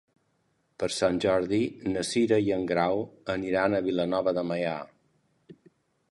Per Sant Jordi na Cira i en Grau aniran a Vilanova de Meià.